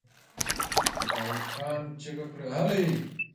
داوود خان چيغه کړه! هلئ!